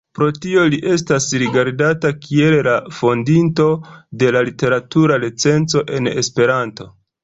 Pro tio li estas rigardata kiel la fondinto de la literatura recenzo en Esperanto.